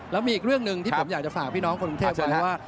แล้วมีอีกเรื่องหนึ่งที่ผมอยากจะฝากพี่น้องคนกรุงเทพไว้ว่า